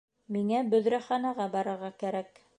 Миңә бөҙрәханаға барырға кәрәк